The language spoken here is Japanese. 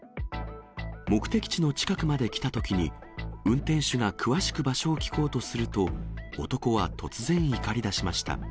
目的地の近くまで来たときに、運転手が詳しく場所を聞こうとすると、男は突然、怒りだしました。